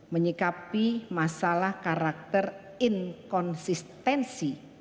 menyikapi masalah karakter inkonsistensi